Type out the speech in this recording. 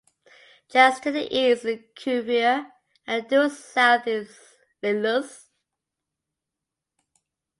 Just to the east is Cuvier, and due south is Lilius.